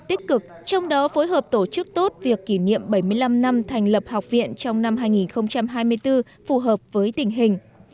tích cực trong đó phối hợp tổ chức tốt việc kỷ niệm bảy mươi năm năm thành lập học viện trong năm hai nghìn hai mươi bốn phù hợp với tình hình